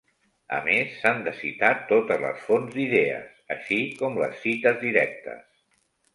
A més, s'han de citar totes les fonts d'idees, així com les cites directes.